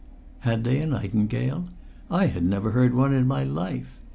Had they a nightingale? I had never heard one in my life.